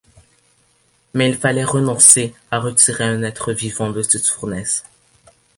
Mais il fallait renoncer à retirer un être vivant de cette fournaise.